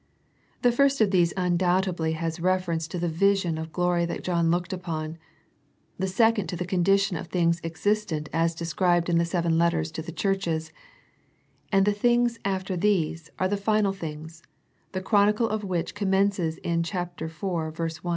The first of these undoubtedly has reference to the vision of glory that John looked upon, the second to the condition of things existent as described in the seven letters to the churches, and the things "after these" are the final things, the chronicle of which commences in chapter iv, verse I.